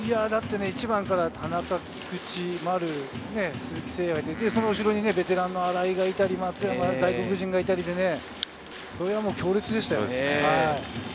１番から田中、菊池、丸、鈴木誠也がいて、その後ろにベテランの新井がいたり、松山がいたりで、それはもう強烈でしたよ。